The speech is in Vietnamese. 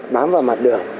bám vào mặt đường